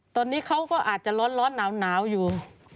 ตอนนี้เขาก็อาจจะร้อนหนาวอยู่